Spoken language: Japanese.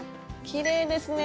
きれいですね。